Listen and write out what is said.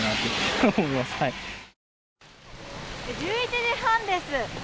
１１時半です。